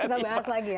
kita bahas lagi ya